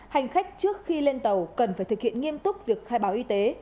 hành khách trước khi lên tàu cần phải thực hiện nghiêm túc việc khai báo y tế